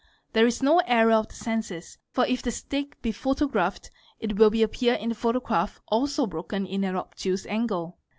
There is no error of the senses, © for if the stick be photographed it will appear in the photograph also broken in an obtuse angle.